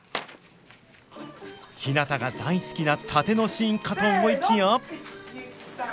ひなたが大好きな殺陣のシーンかと思いきや。